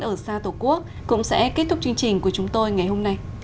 ở xa tổ quốc cũng sẽ kết thúc chương trình của chúng tôi ngày hôm nay